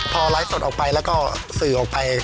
พอไลฟ์สดออกไปแล้วก็สื่อออกไป